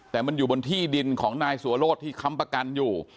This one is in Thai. แต่มันอยู่บนที่ดินของนายสัวโรธที่ค้ำประกันอยู่